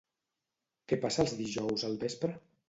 Què passa els dijous al vespre?